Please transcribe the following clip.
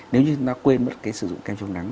nếu như chúng ta quên mất cái sử dụng kem chống nắng